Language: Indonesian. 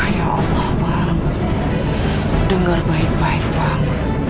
ya allah bang dengar baik baik bang